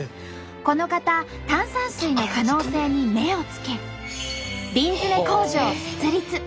この方炭酸水の可能性に目をつけ瓶詰め工場を設立。